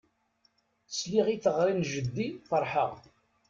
Sliɣ i teɣri n jeddi ferḥeɣ.